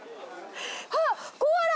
あっコアラ！